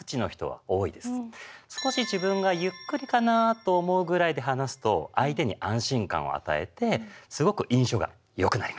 少し自分がゆっくりかなと思うぐらいで話すと相手に安心感を与えてすごく印象が良くなります。